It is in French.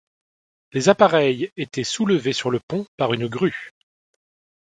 Les appareils étaient soulevés sur le pont par une grue.